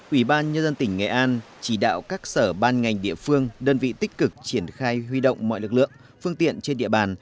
ủy ban nhân dân tỉnh nghệ an chỉ đạo các sở ban ngành địa phương đơn vị tích cực triển khai huy động mọi lực lượng phương tiện trên địa bàn